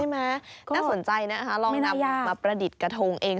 น่าสนใจนะคะลองนำมาประดิษฐ์กระทงเอง